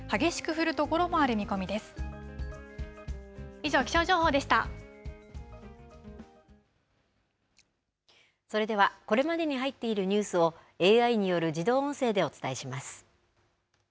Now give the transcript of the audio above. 以上、それでは、これまでに入っているニュースを、ＡＩによる自動音声でお伝えします。